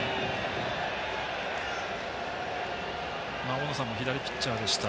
大野さんも左ピッチャーでした。